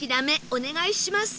お願いします！